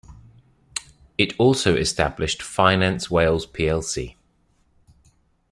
It also established Finance Wales plc.